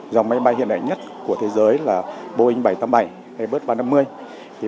dòng máy bay hiện đại nhất của thế giới là boeing bảy trăm tám mươi bảy airbus ba trăm năm mươi